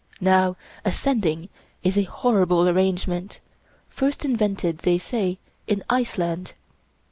Now a Sending is a horrible arrangement, first invented, they say, in Iceland.